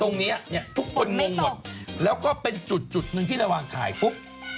ตรงนี้ทุกคนมุ่งหมดแล้วก็เป็นจุดหนึ่งที่ระหว่างถ่ายปุ๊บ